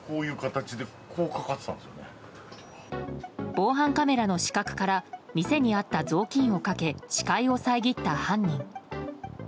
防犯カメラの死角から店にあった雑巾をかけ視界を遮った犯人。